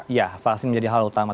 ya vaksin menjadi hal utama